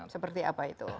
seperti apa itu